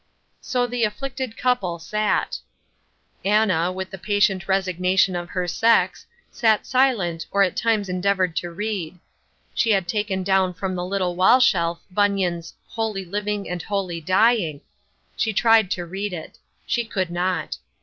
So the afflicted couple sat. Anna, with the patient resignation of her sex, sat silent or at times endeavoured to read. She had taken down from the little wall shelf Bunyan's Holy Living and Holy Dying. She tried to read it. She could not.